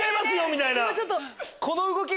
みたいな。